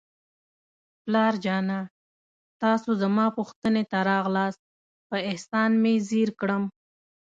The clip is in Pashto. پلار جانه، تاسو زما پوښتنې ته راغلاست، په احسان مې زیر کړم.